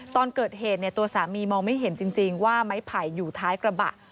ตอนเกิดเหตุตัวสามีมองไม่เห็นจริงว่าไม้ไผ่อยู่ท้ายกระบะ